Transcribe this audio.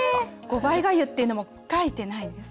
５倍がゆっていうのも書いてないんです。